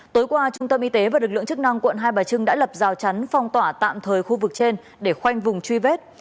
tối qua trung tâm y tế và lực lượng chức năng quận hai bà trưng đã lập rào chắn phong tỏa tạm thời khu vực trên để khoanh vùng truy vết